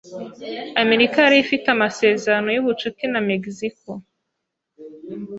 Amerika yari ifite amasezerano y'ubucuti na Mexico.